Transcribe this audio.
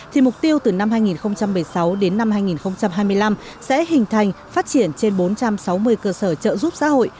thì mục tiêu từ năm hai nghìn một mươi sáu đến năm hai nghìn hai mươi năm sẽ hình thành phát triển trên bốn trăm sáu mươi cơ sở trợ giúp xã hội